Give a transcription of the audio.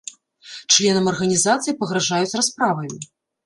Членам арганізацыі пагражаюць расправаю.